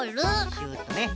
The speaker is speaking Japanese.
シュッとね。